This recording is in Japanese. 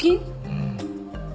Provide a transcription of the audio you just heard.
うん。